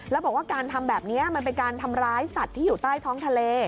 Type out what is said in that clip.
แล้วบอกว่าการทำแบบนี้มันเป็นการทำร้ายสัตว์ที่อยู่ใต้ท้องทะเล